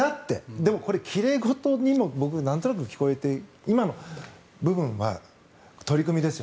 でもこれ奇麗事にも僕、なんとなく聞こえて今の部分、取り組みですよ。